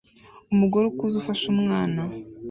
Umugore ukuze ufashe umwana